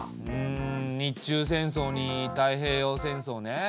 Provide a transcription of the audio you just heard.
うん日中戦争に太平洋戦争ね。